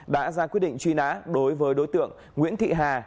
đã ra quyết định truy nã đối với đối tượng nguyễn thị hà